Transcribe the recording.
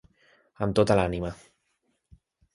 Amb tota l'ànima.